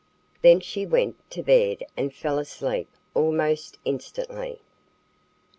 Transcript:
Then she went to bed and fell asleep almost instantly.